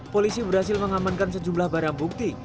polisi berhasil mengamankan sejumlah barang bukti